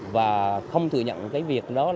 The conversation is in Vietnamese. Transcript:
và không thừa nhận cái việc đó